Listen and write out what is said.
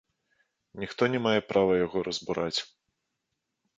Ніхто не мае права яго разбураць.